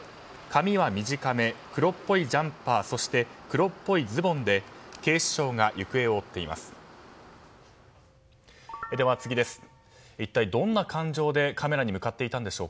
髪は短め、黒っぽいジャンパーそして黒っぽいズボンで警視庁が行方を追っています。